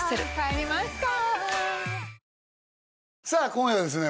今夜はですね